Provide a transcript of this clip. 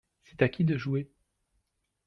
C'est à qui de jouer ?